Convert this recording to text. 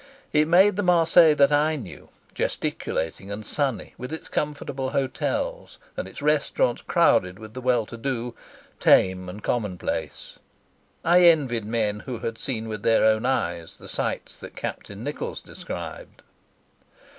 It made the Marseilles that I knew, gesticulating and sunny, with its comfortable hotels and its restaurants crowded with the well to do, tame and commonplace. I envied men who had seen with their own eyes the sights that Captain Nichols described.